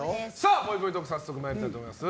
ぽいぽいトーク早速参りたいと思います。